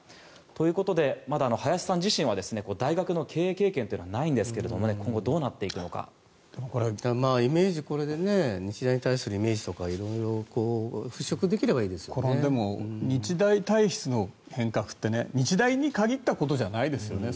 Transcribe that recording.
ということで、まだ林さん自身は大学の経営経験というのはないんですが日大に対するイメージとか日大体質の変革って日大に限ったことじゃないですよね。